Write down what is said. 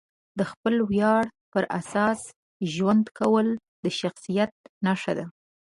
د خپلې ویاړ پر اساس ژوند کول د شخصیت نښه ده.